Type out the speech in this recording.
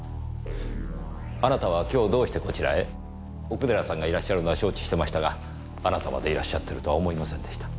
奥寺さんがいらっしゃるのは承知してましたがあなたまでいらっしゃってるとは思いませんでした。